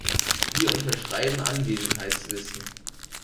Wir unterschreiben Anwesenheitslisten.